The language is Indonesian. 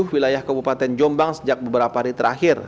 wilayah kabupaten jombang sejak beberapa hari terakhir